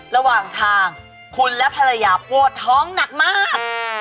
ระหว่างทางคุณและภรรยาปวดท้องหนักมาก